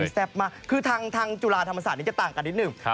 อันนี้แซ่บมากคือทางทางจุฬาธรรมศาสตร์นี้จะต่างกันนิดหนึ่งครับ